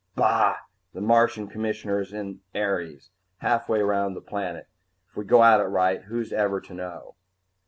"Bah! The Martian Commissioner is at Ares, halfway round the planet. If we go at it right, who's ever to know?"